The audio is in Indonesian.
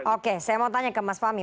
oke saya mau tanya ke mas fahmi